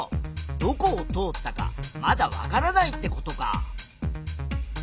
どこを通ったかまだわからないってことか。